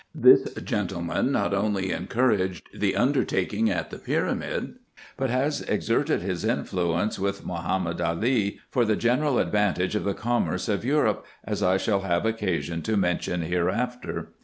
This gentle man not only encouraged the undertaking at the pyramid, but has exerted his influence with Mahomed Ali for the general advantage of the commerce of Europe, as I shall have occasion to mention hereafter.